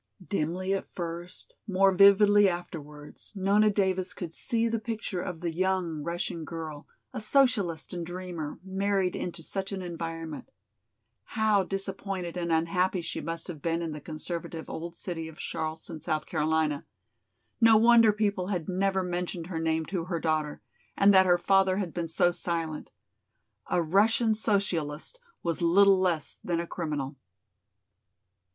Dimly at first, more vividly afterwards, Nona Davis could see the picture of the young Russian girl, a socialist and dreamer, married into such an environment. How disappointed and unhappy she must have been in the conservative old city of Charleston, South Carolina! No wonder people had never mentioned her name to her daughter, and that her father had been so silent! A Russian socialist was little less than a criminal.